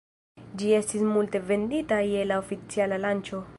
Ĝi estis multe vendita je la oficiala lanĉo.